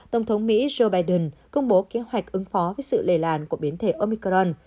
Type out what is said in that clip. tổng thống mỹ joe biden công bố kế hoạch ứng phó với sự lề làn của biến thể omicron